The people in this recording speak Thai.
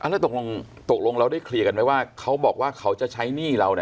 แล้วตกลงเราได้เคลียร์กันไหมว่าเขาบอกว่าเขาจะใช้หนี้เรา